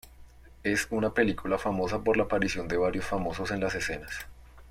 Es una película famosa por la aparición de varios famosos en las escenas.